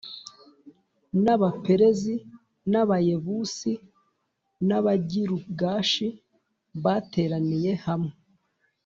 n Abaperizi n Abayebusi n Abagirugashi bateraniye hamwe